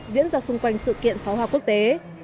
diễn ra xung quanh sự kiện phó hoa quốc tế